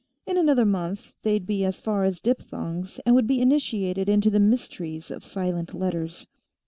In another month, they'd be as far as diphthongs and would be initiated into the mysteries of silent letters.